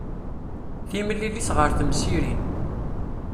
Timmlilit ɣer temsirin.